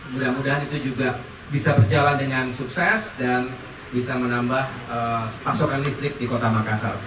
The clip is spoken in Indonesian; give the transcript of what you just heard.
mudah mudahan itu juga bisa berjalan dengan sukses dan bisa menambah pasokan listrik di kota makassar